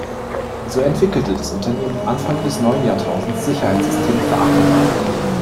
So entwickelte das Unternehmen Anfang des neuen Jahrtausends Sicherheitssysteme für Achterbahnen.